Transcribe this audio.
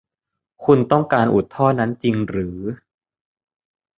คุณต้องการอุดท่อนั้นจริงหรือ